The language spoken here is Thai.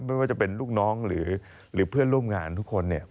ไม่ว่าจะเป็นลูกน้องหรือเพื่อนร่วมงานทุกคนเนี่ย